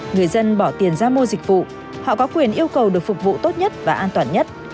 người dân bỏ tiền ra mua dịch vụ họ có quyền yêu cầu được phục vụ tốt nhất và an toàn nhất